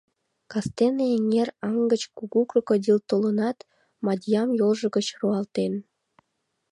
Кастене эҥер аҥ гыч кугу крокодил толынат, Мадьям йолжо гыч руалтен.